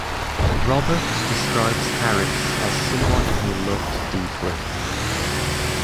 Robert describes Harris as someone he loved deeply.